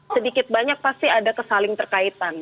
sedikit banyak pasti ada kesaling terkaitan